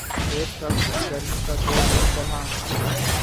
ایک شخص نے گرمی کا توڑ اس طرح